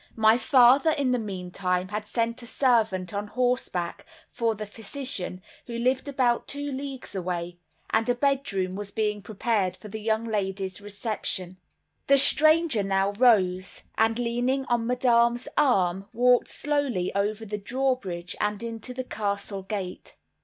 My father in the meantime had sent a servant on horseback for the physician, who lived about two leagues away; and a bedroom was being prepared for the young lady's reception. The stranger now rose, and leaning on Madame's arm, walked slowly over the drawbridge and into the castle gate.